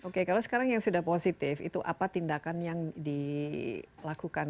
oke kalau sekarang yang sudah positif itu apa tindakan yang dilakukan